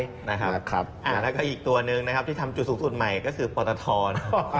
แล้วก็อีกตัวหนึ่งนะครับที่ทำจุดสูงสุดใหม่ก็คือปตท